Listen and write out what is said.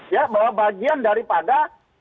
ya bahwa bagian daripada